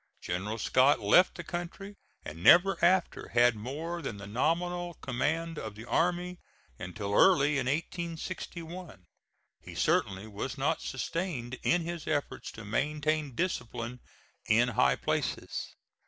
General Scott left the country, and never after had more than the nominal command of the army until early in 1861. He certainly was not sustained in his efforts to maintain discipline in high places.